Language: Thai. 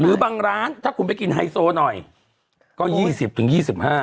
หรือบางร้านถ้าคุณไปกินไฮโซหน่อยก็๒๐๒๕บาท